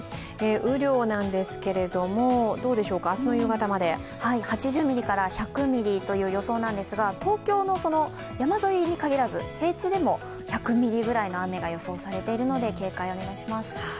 雨量なんですけど、８０ミリから１００ミリという予想なんですが、東京の山沿いに限らず平地でも１００ミリぐらいの雨が予想されているので警戒お願いします。